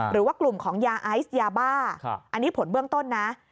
หรือว่ากลุ่มของยาไอซ์ยาบ้าอันนี้ผลเบื้องต้นนะ